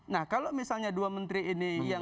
nah kalau misalnya dua menteri ini yang